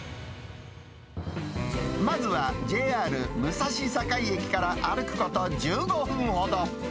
まずはＪＲ武蔵境駅から歩くこと１５分ほど。